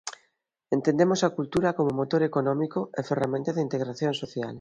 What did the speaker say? Entendemos a cultura como motor económico e ferramenta de integración social.